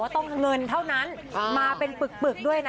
ต้องเงินเท่านั้นมาเป็นปึกด้วยนะ